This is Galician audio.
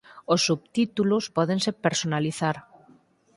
Os subtítulos pódense personalizar.